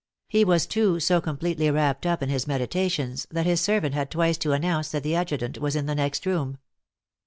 He was, too, so completely wrapped up in his medi tations, that his servant had twice to announce that the adjutant was in the next room.